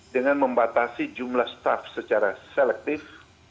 dengan membatasi jumlah staff secara selektif